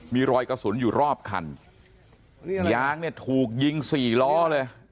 มีรอยกระสุนอยู่รอบคันยางเนี่ยถูกยิงสี่ล้อเลย